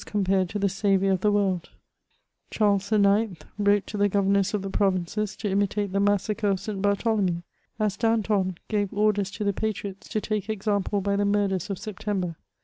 compared to the Saviour of tne world : Charles IX. wrote to the governors of the provinces to imitate the massacre of St. Bartholomew, as Danton gave orders to the patriots to takd example by the murders of September.